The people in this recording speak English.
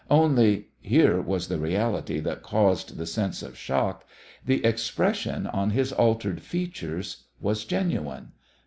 Only here was the reality that caused the sense of shock the expression on his altered features was genuine.